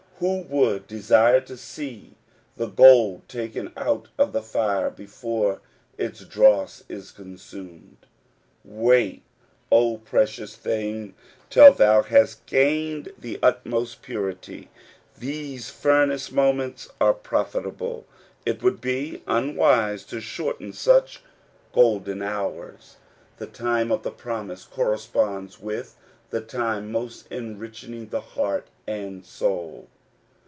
Who would desire to see the gold taken out of the fire before its dross is consumed ? Wait, O precious thing, till TIu Time of the Promise, 119 thou hast gained the utmost of purity ! These furnace moments are profitable. It would be un wise to shorten such golden hours. The time of the promise corresponds with the time most enriching to heart and soul.